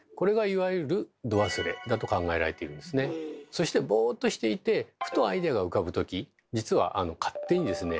そしてボーっとしていてふとアイデアが浮かぶとき実は勝手にですね